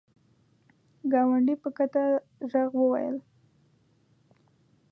ګاونډي په کښته ږغ وویل !